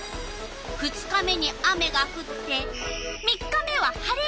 ２日目に雨がふって３日目は晴れる。